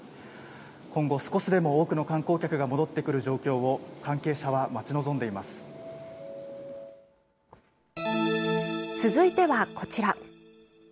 今後、少しでも多くの観光客が戻ってくる状況を関係者は待ち望んでいま続いてはこちら。